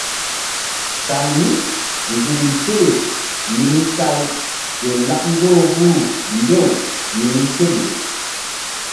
Kaŋ mí nzukri seɗe mini say ƴo lak ŋgoro huru mbew mini seɗe.